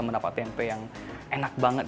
mendapat tempe yang enak banget